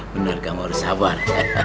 bener kamu harus sabar